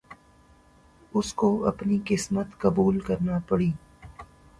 اس کو اپنی قسمت قبول کرنا پڑی۔